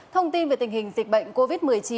thông tin về tình hình dịch bệnh covid một mươi chín